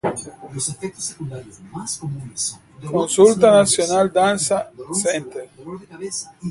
Concurso Nacional de Danzas ancestrales.